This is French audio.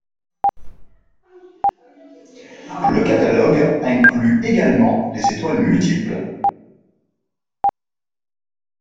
Le catalogue inclut également les étoiles multiples.